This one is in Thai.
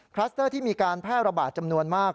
สเตอร์ที่มีการแพร่ระบาดจำนวนมาก